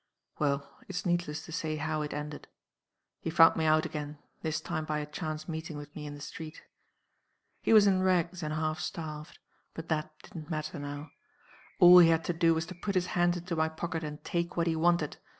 "Well, it's needless to say how it ended. He found me out again this time by a chance meeting with me in the street. "He was in rags, and half starved. But that didn't matter now. All he had to do was to put his hand into my pocket and take what he wanted.